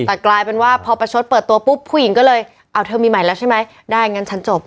แต่กลายเป็นว่าพอประชดเปิดตัวปุ๊บผู้หญิงก็เลยเอาเธอมีใหม่แล้วใช่ไหมได้งั้นฉันจบ